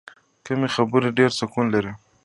کمې خبرې، ډېر سکون لري.